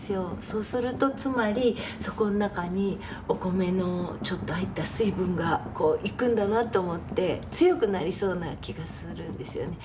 そうするとつまりそこの中にお米のちょっと入った水分がこういくんだなと思って強くなりそうな気がするんですよね。